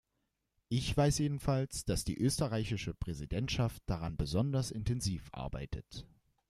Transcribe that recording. Ich weiß jedenfalls, dass die österreichische Präsidentschaft daran besonders intensiv arbeitet.